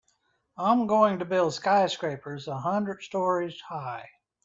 I'm going to build skyscrapers a hundred stories high.